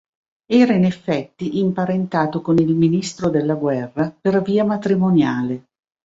Era in effetti imparentato con il ministro della guerra per via matrimoniale.